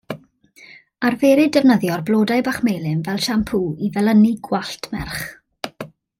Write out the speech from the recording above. Arferid defnyddio'r blodau bach melyn fel siampŵ i felynu gwallt merch.